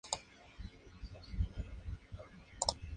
Su legado se encuentra en la Academia de las Artes de Berlín.